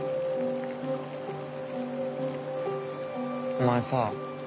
お前さ。